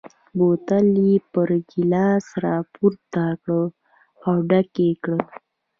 بوتل یې پر ګیلاس را پورته کړ او ډک یې کړ.